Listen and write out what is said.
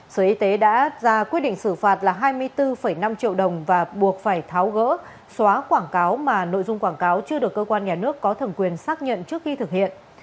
sở y tế đã ra quyết định xử phạt là hai mươi bốn năm triệu đồng và buộc phải tháo gỡ xóa quảng cáo mà nội dung quảng cáo chưa được cơ quan nhà nước có thẩm quyền xác nhận trước khi thực hiện